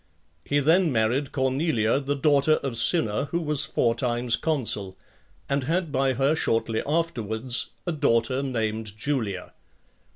He then married (2) Cornelia, the daughter of Cinna, who was four times consul; and had by her, shortly afterwards, a daughter named Julia.